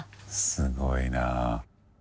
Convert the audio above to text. すごいな。